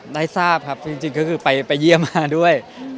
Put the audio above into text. ได้ทราบครับจริงก็คือไปเยี่ยมมาด้วย